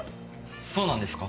そうなんですか？